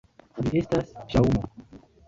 Ĝi estas ŝaŭmo.